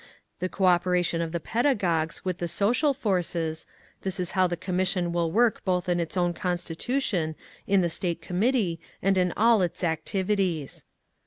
The cooperation of the pedagogues with the social forces—this is how the Commission will work both in its own constitution, in the State Committee, and in all its activities.